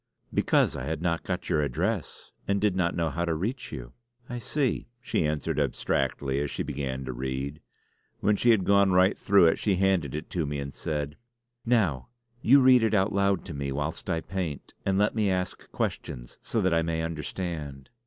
"Because I had not got your address, and did not know how to reach you." "I see!" she answered abstractedly as she began to read. When she had gone right through it she handed it to me and said: "Now you read it out loud to me whilst I paint; and let me ask questions so that I may understand."